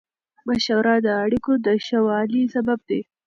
مشوره د اړیکو د ښه والي سبب دی.